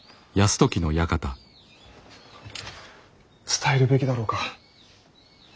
伝えるべきだろうか。